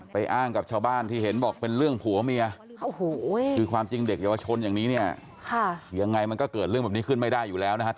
ไปอ้างกับชาวบ้านที่เห็นบอกว่าเป็นเรื่องผัวเมีย